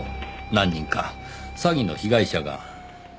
何人か詐欺の被害者が。